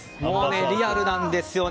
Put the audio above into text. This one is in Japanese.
リアルなんですよね。